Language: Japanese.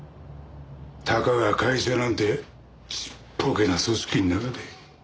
たかが会社なんてちっぽけな組織の中で。